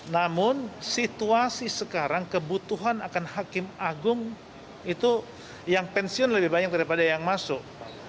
namun situasi sekarang kebutuhan akan hakim agung itu yang pensiun lebih banyak daripada yang masuk